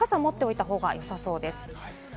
傘は持っておいたほうがよさそうです。